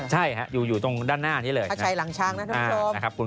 ใช่อยู่ตรงด้านหน้านี้เลย